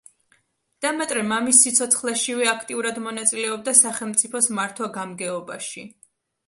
დემეტრე მამის სიცოცხლეშივე აქტიურად მონაწილეობდა სახელმწიფოს მართვა-გამგეობაში.